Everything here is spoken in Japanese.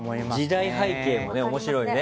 時代背景も面白いね。